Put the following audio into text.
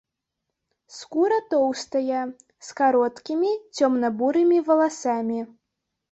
Скура тоўстая, з кароткімі цёмна-бурымі валасамі.